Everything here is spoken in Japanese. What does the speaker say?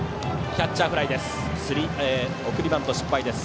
キャッチャーフライです。